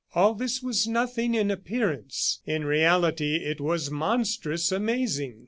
All this was nothing, in appearance; in reality, it was monstrous, amazing.